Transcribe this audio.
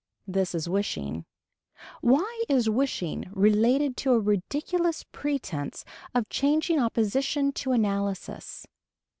This is wishing. Why is wishing related to a ridiculous pretence of changing opposition to analysis.